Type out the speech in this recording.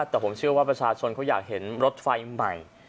แต่ผมเชื่อว่าประชาชนเขาอยากเห็นรถไฟใหม่